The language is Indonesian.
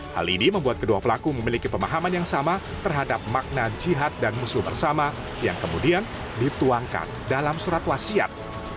hal ini membuat kedua pelaku memiliki pemahaman yang sama terhadap makna jihad dan musuh bersama yang kemudian dituangkan dalam surat wasiat